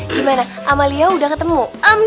gimana amalia udah ketemu